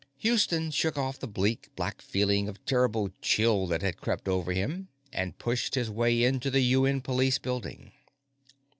Houston shook off the bleak, black feeling of terrible chill that had crept over him and pushed his way into the UN Police building.